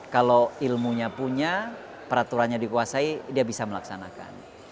kalau ilmunya punya peraturannya dikuasai dia bisa melaksanakan